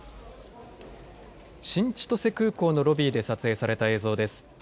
新千歳空港のロビーで撮影された映像です。